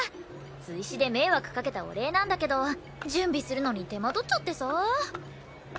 追試で迷惑かけたお礼なんだけど準備するのに手間取っちゃってさ。